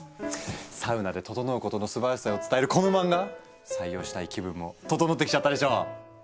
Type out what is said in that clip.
「サウナでととのう」ことのすばらしさを伝えるこの漫画採用したい気分もととのってきちゃったでしょう。